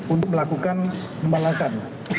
untuk melakukan pembalasan